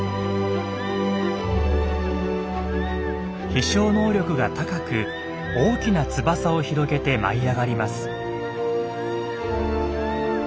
飛しょう能力が高く大きな翼を広げて舞い上がります。